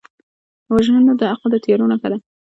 وژنه د عقل د تیارو نښه ده